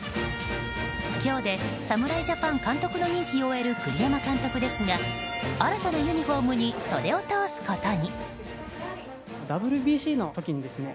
今日で侍ジャパン監督の任期を終える栗山監督ですが新たなユニホームに袖を通すことに。